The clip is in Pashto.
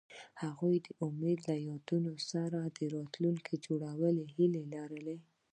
هغوی د امید له یادونو سره راتلونکی جوړولو هیله لرله.